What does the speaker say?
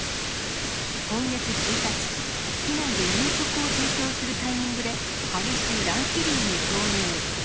今月１日、機内で夕食を提供するタイミングで、激しい乱気流に遭遇。